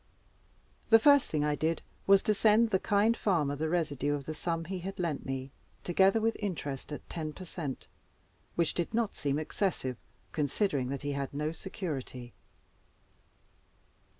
The first thing I did was to send the kind farmer the residue of the sum he had lent me, together with interest at ten per cent., which did not seem excessive, considering that he had no security.